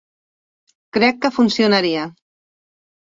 Crec que funcionaria.